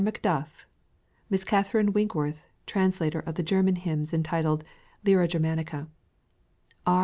Macduff ;— Miss Catherine Winkworth, translator of the German hymns entitled " Lyra Germanica ;"— R.